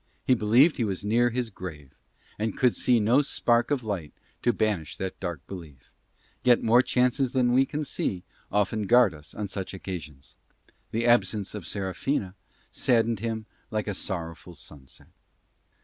He believed he was near his grave, and could see no spark of light to banish that dark belief; yet more chances than we can see often guard us on such occasions. The absence of Serafina saddened him like a sorrowful sunset.